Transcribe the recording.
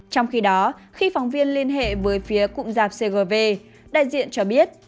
trong khi đó khi phóng viên liên hệ với phía cụm giạp cgv đại diện cho biết